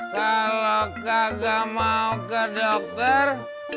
kalau kagak mau ke dokter